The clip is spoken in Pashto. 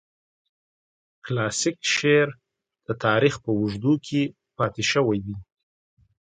کلاسیک شعر د تاریخ په اوږدو کې پاتې شوی دی.